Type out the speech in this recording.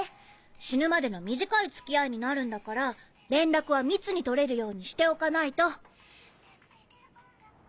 死ぬまでの短い付き合いになるんだから連絡は密に取れるようにしておかないと。